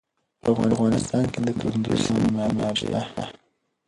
په افغانستان کې د کندز سیند منابع شته.